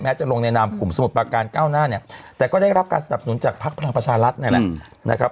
แม้จะลงในนามกลุ่มสมุดประการ๙หน้าเนี่ยแต่ก็ได้รับการสนับหนุนจากภาคพลังประชารัฐเนี่ยแหละ